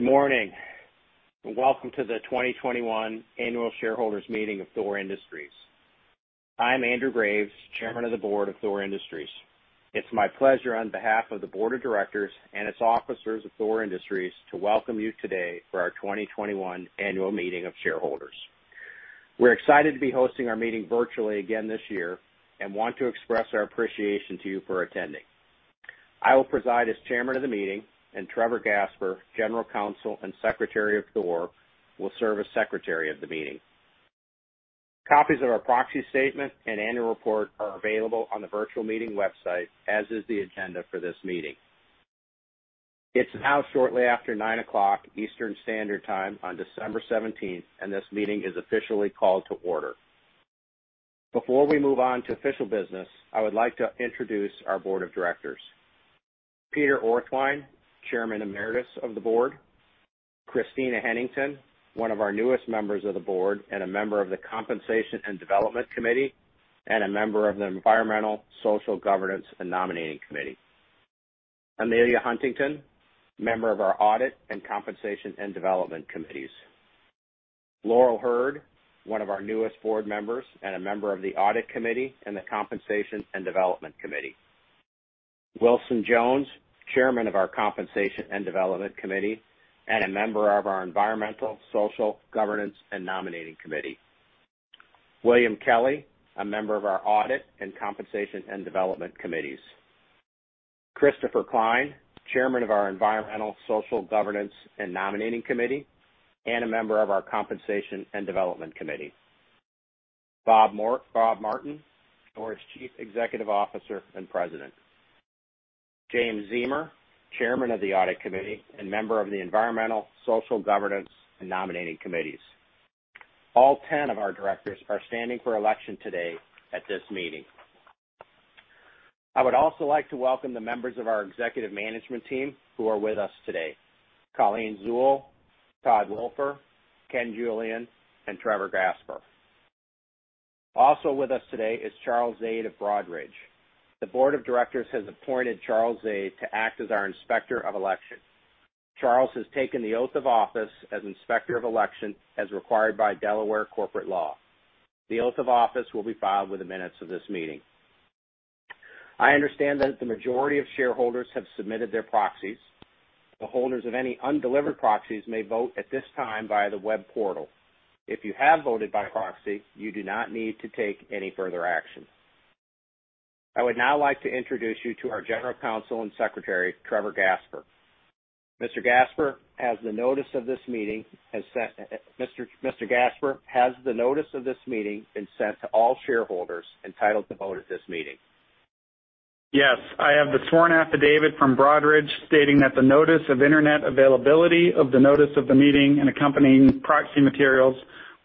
Good morning, and welcome to the 2021 Annual Shareholders Meeting of Thor Industries. I'm Andrew Graves, Chairman of the Board of Thor Industries. It's my pleasure, on behalf of the Board of Directors and its officers of Thor Industries, to welcome you today for our 2021 Annual Meeting of Shareholders. We're excited to be hosting our meeting virtually again this year and want to express our appreciation to you for attending. I will preside as chairman of the meeting, and Trevor Gasper, General Counsel and Secretary of Thor, will serve as secretary of the meeting. Copies of our proxy statement and annual report are available on the virtual meeting website, as is the agenda for this meeting. It's now shortly after 9:00 A.M. Eastern Standard Time on December 17th, and this meeting is officially called to order. Before we move on to official business, I would like to introduce our board of directors. Peter Orthwein, Chairman Emeritus of the board. Christina Hennington, one of our newest members of the board and a member of the Compensation and Development Committee, and a member of the Environmental, Social, Governance, and Nominating Committee. Amelia Huntington, member of our Audit and Compensation and Development Committees. Laurel Hurd, one of our newest board members and a member of the Audit Committee and the Compensation and Development Committee. Wilson Jones, Chairman of our Compensation and Development Committee and a member of our Environmental, Social, Governance, and Nominating Committee. William Kelley, a member of our Audit and Compensation and Development Committees. Christopher Klein, Chairman of our Environmental, Social, Governance, and Nominating Committee and a member of our Compensation and Development Committee. Bob Martin, Thor's Chief Executive Officer and President. James Ziemer, Chairman of the Audit Committee and member of the Environmental, Social, Governance, and Nominating Committees. All 10 of our directors are standing for election today at this meeting. I would also like to welcome the members of our executive management team who are with us today. Colleen Zuhl, Todd Woelfer, Ken Julian, and Trevor Gasper. Also with us today is Charles Ayd of Broadridge. The board of directors has appointed Charles Ayd to act as our Inspector of Election. Charles has taken the oath of office as Inspector of Election as required by Delaware corporate law. The oath of office will be filed with the minutes of this meeting. I understand that the majority of shareholders have submitted their proxies. The holders of any undelivered proxies may vote at this time via the web portal. If you have voted by proxy, you do not need to take any further action. I would now like to introduce you to our General Counsel and Secretary, Trevor Gasper. Mr. Gasper, has the notice of this meeting been sent to all shareholders entitled to vote at this meeting? Yes. I have the sworn affidavit from Broadridge stating that the notice of internet availability of the notice of the meeting and accompanying proxy materials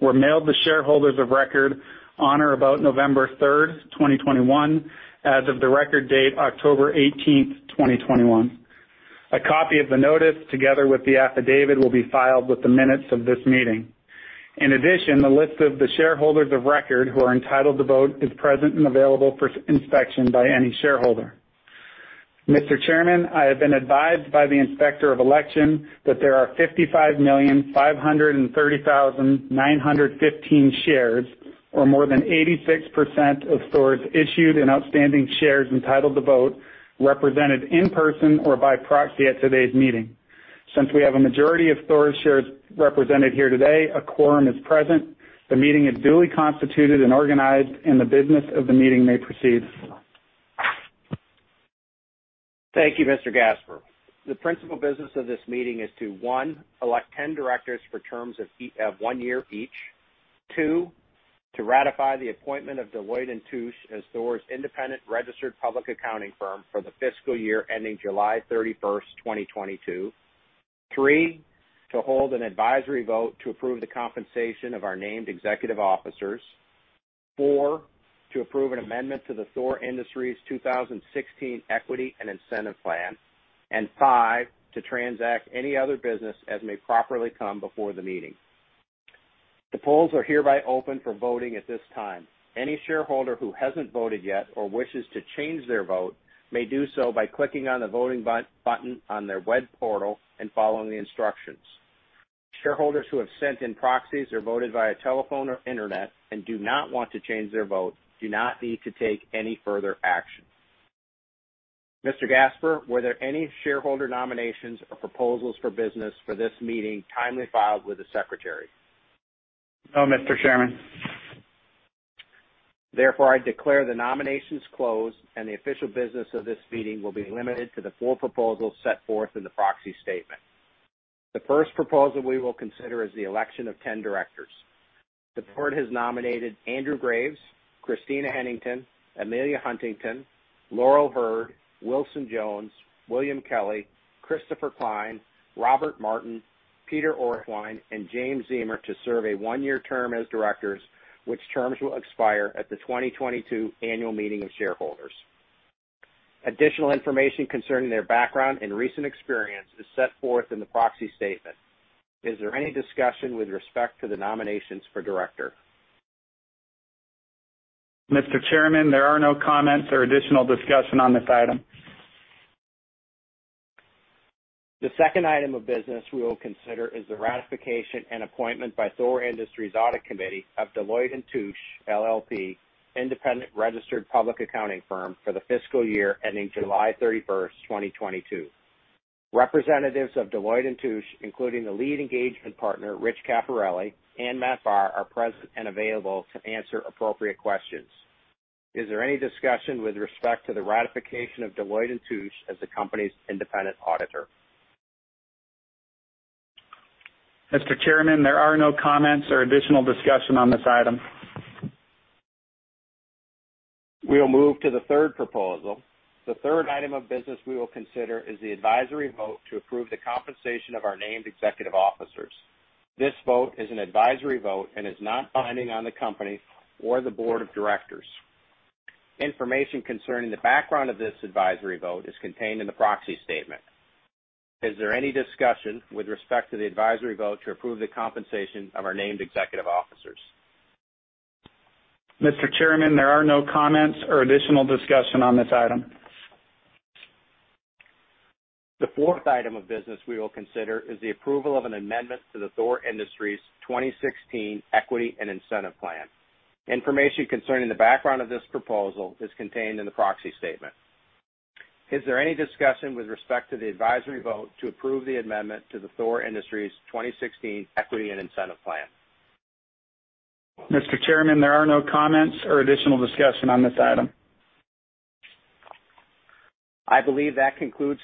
were mailed to shareholders of record on or about November 3, 2021, as of the record date October 18, 2021. A copy of the notice, together with the affidavit, will be filed with the minutes of this meeting. In addition, the list of the shareholders of record who are entitled to vote is present and available for inspection by any shareholder. Mr. Chairman, I have been advised by the Inspector of Election that there are 55,530,915 shares, or more than 86% of Thor's issued and outstanding shares entitled to vote, represented in person or by proxy at today's meeting. Since we have a majority of Thor's shares represented here today, a quorum is present, the meeting is duly constituted and organized, and the business of the meeting may proceed. Thank you, Mr. Gasper. The principal business of this meeting is to one, elect 10 directors for terms of one year each. Two, to ratify the appointment of Deloitte & Touche as Thor's independent registered public accounting firm for the fiscal year ending July 31, 2022. Three, to hold an advisory vote to approve the compensation of our named executive officers. Four, to approve an amendment to the Thor Industries' 2016 Equity and Incentive Plan. Five, to transact any other business as may properly come before the meeting. The polls are hereby open for voting at this time. Any shareholder who hasn't voted yet or wishes to change their vote may do so by clicking on the Voting button on their web portal and following the instructions. Shareholders who have sent in proxies or voted via telephone or internet and do not want to change their vote do not need to take any further action. Mr. Gasper, were there any shareholder nominations or proposals for business for this meeting timely filed with the Secretary? No, Mr. Chairman. Therefore, I declare the nominations closed, and the official business of this meeting will be limited to the four proposals set forth in the proxy statement. The first proposal we will consider is the election of 10 directors. The board has nominated Andrew Graves, Christina Hennington, Amelia Huntington, Laurel Hurd, Wilson Jones, William Kelley, Christopher Klein, Robert Martin, Peter Orthwein, and James Ziemer to serve a one-year term as directors, which terms will expire at the 2022 Annual Meeting of Shareholders. Additional information concerning their background and recent experience is set forth in the proxy statement. Is there any discussion with respect to the nominations for director? Mr. Chairman, there are no comments or additional discussion on this item. The second item of business we will consider is the ratification and appointment by Thor Industries' Audit Committee of Deloitte & Touche LLP, independent registered public accounting firm, for the fiscal year ending July 31, 2022. Representatives of Deloitte & Touche, including the lead engagement partner, Rich Caporelli and Matt Barr, are present and available to answer appropriate questions. Is there any discussion with respect to the ratification of Deloitte & Touche as the company's independent auditor? Mr. Chairman, there are no comments or additional discussion on this item. We'll move to the third proposal. The third item of business we will consider is the advisory vote to approve the compensation of our Named Executive Officers. This vote is an advisory vote and is not binding on the company or the Board of Directors. Information concerning the background of this advisory vote is contained in the Proxy Statement. Is there any discussion with respect to the advisory vote to approve the compensation of our Named Executive Officers? Mr. Chairman, there are no comments or additional discussion on this item. The fourth item of business we will consider is the approval of an amendment to the Thor Industries 2016 Equity and Incentive Plan. Information concerning the background of this proposal is contained in the proxy statement. Is there any discussion with respect to the advisory vote to approve the amendment to the Thor Industries 2016 Equity and Incentive Plan? Mr. Chairman, there are no comments or additional discussion on this item. I believe that concludes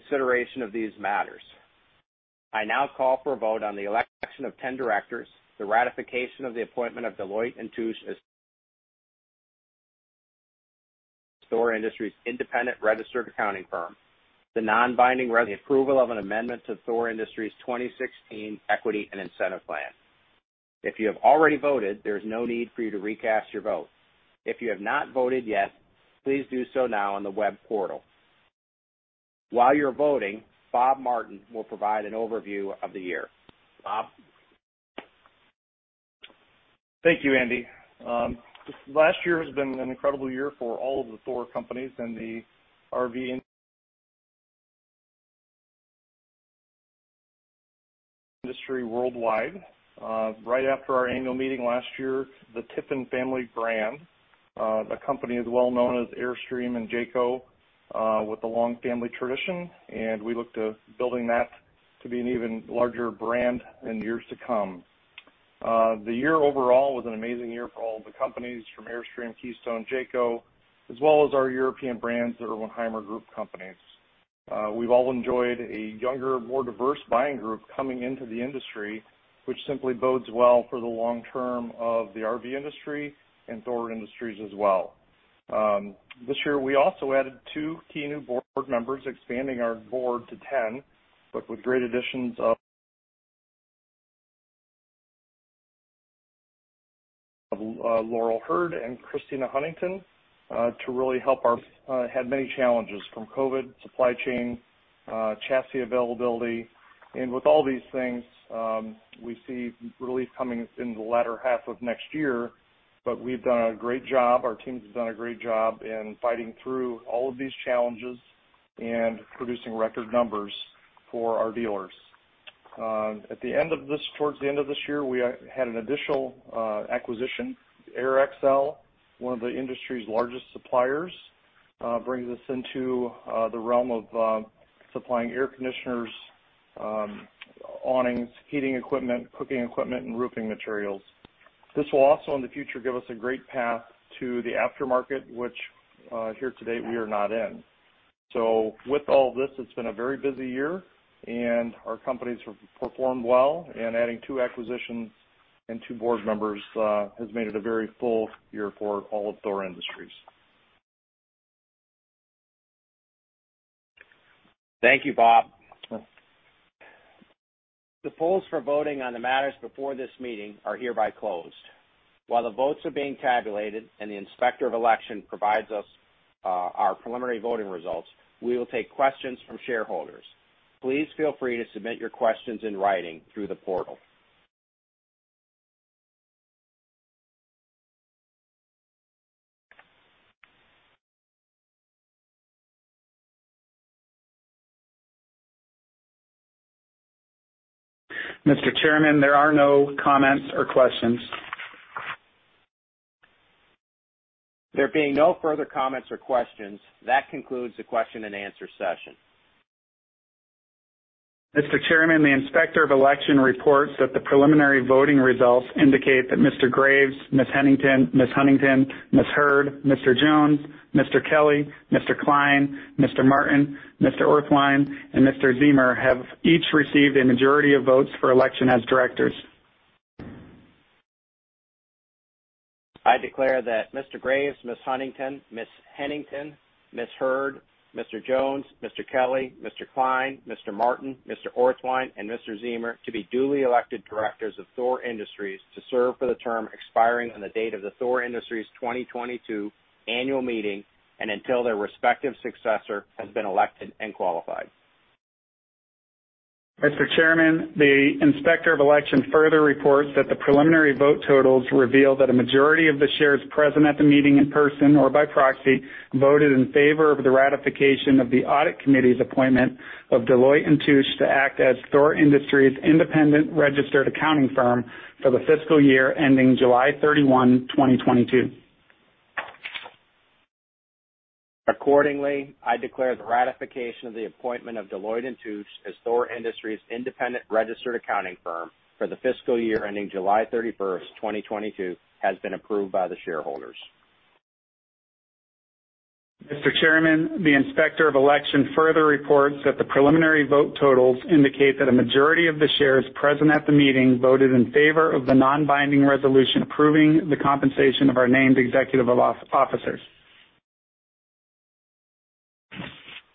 consideration of these matters. I now call for a vote on the election of 10 directors, the ratification of the appointment of Deloitte & Touche as Thor Industries' independent registered accounting firm, the non-binding re-approval of an amendment to Thor Industries 2016 Equity and Incentive Plan. If you have already voted, there's no need for you to recast your vote. If you have not voted yet, please do so now on the web portal. While you're voting, Bob Martin will provide an overview of the year. Bob. Thank you, Andy. This last year has been an incredible year for all of the Thor companies and the RV industry worldwide. Right after our annual meeting last year, the Tiffin Family brand, the company as well known as Airstream and Jayco, with the long family tradition, and we look to building that to be an even larger brand in years to come. The year overall was an amazing year for all of the companies from Airstream, Keystone, Jayco, as well as our European brands, the Erwin Hymer Group companies. We've all enjoyed a younger, more diverse buying group coming into the industry, which simply bodes well for the long term of the RV industry and Thor Industries as well. This year, we also added two key new board members, expanding our board to 10, but with great additions of Laurel Hurd and Christina Hennington to really help. We had many challenges from COVID, supply chain, chassis availability. With all these things, we see relief coming in the latter half of next year. We've done a great job. Our teams have done a great job in fighting through all of these challenges and producing record numbers for our dealers. Towards the end of this year, we had an additional acquisition. Airxcel, one of the industry's largest suppliers, brings us into the realm of supplying air conditioners, awnings, heating equipment, cooking equipment, and roofing materials. This will also, in the future, give us a great path to the aftermarket, which, here today we are not in. With all this, it's been a very busy year, and our companies have performed well. Adding two acquisitions and two board members has made it a very full year for all of Thor Industries. Thank you, Bob. The polls for voting on the matters before this meeting are hereby closed. While the votes are being tabulated and the inspector of election provides us, our preliminary voting results, we will take questions from shareholders. Please feel free to submit your questions in writing through the portal. Mr. Chairman, there are no comments or questions. There being no further comments or questions, that concludes the question and answer session. Mr. Chairman, the inspector of election reports that the preliminary voting results indicate that Mr. Graves, Ms. Hennington, Ms. Huntington, Ms. Hurd, Mr. Jones, Mr. Kelley, Mr. Klein, Mr. Martin, Mr. Orthwein, and Mr. Ziemer have each received a majority of votes for election as directors. I declare that Mr. Graves, Ms. Huntington, Ms. Hennington, Ms. Hurd, Mr. Jones, Mr. Kelley, Mr. Klein, Mr. Martin, Mr. Orthwein, and Mr. Ziemer to be duly elected directors of Thor Industries to serve for the term expiring on the date of the Thor Industries 2022 Annual Meeting and until their respective successor has been elected and qualified. Mr. Chairman, the Inspector of Election further reports that the preliminary vote totals reveal that a majority of the shares present at the meeting in person or by proxy voted in favor of the ratification of the Audit Committee's appointment of Deloitte & Touche to act as Thor Industries' independent registered accounting firm for the fiscal year ending July 31, 2022. Accordingly, I declare the ratification of the appointment of Deloitte & Touche as Thor Industries' independent registered accounting firm for the fiscal year ending July 31, 2022, has been approved by the shareholders. Mr. Chairman, the Inspector of Election further reports that the preliminary vote totals indicate that a majority of the shares present at the meeting voted in favor of the non-binding resolution approving the compensation of our named executive officers.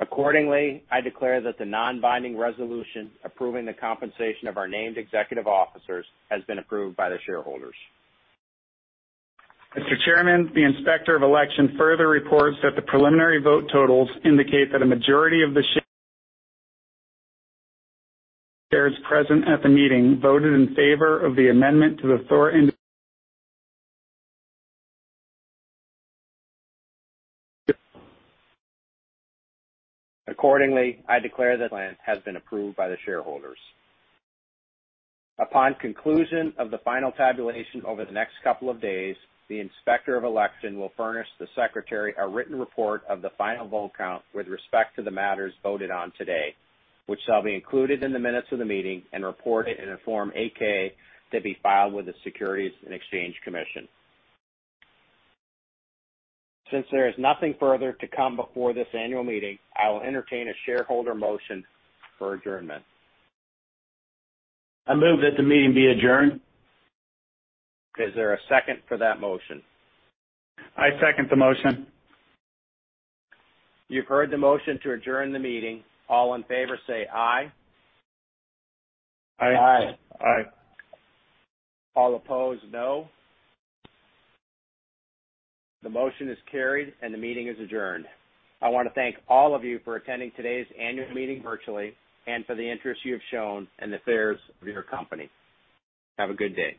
Accordingly, I declare that the non-binding resolution approving the compensation of our named executive officers has been approved by the shareholders. Mr. Chairman, the Inspector of Election further reports that the preliminary vote totals indicate that a majority of the shares present at the meeting voted in favor of the amendment to the Thor Industries. Accordingly, I declare that plan has been approved by the shareholders. Upon conclusion of the final tabulation over the next couple of days, the Inspector of Election will furnish the Secretary a written report of the final vote count with respect to the matters voted on today, which shall be included in the minutes of the meeting and reported in a Form 8-K to be filed with the Securities and Exchange Commission. Since there is nothing further to come before this annual meeting, I will entertain a shareholder motion for adjournment. I move that the meeting be adjourned. Is there a second for that motion? I second the motion. You've heard the motion to adjourn the meeting. All in favor say "aye. Aye. Aye. Aye. All opposed, "No." The motion is carried, and the meeting is adjourned. I wanna thank all of you for attending today's annual meeting virtually and for the interest you have shown in the affairs of your company. Have a good day.